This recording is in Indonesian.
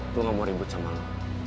gue gak mau ribut sama lo